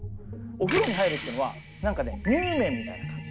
お風呂に入るっていうのはなんかねにゅうめんみたいな感じ。